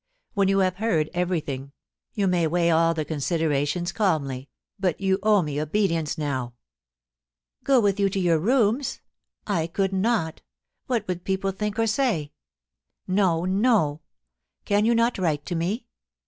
When you have heard every thing, you may weigh all the considerations calmly, but you owe me obedience now.' * Go with you to your rooms ? I could not What would people think or say ? No, no. Can you not write to me ?